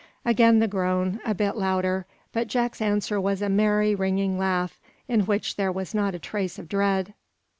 Again the groan, a bit louder, but Jack's answer was a merry, ringing laugh, in which there, was not a trace of dread.